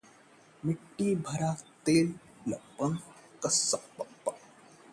जब चेन्नई में नन्हीं जीवा संग किंग खान ने कुछ यूं की मस्ती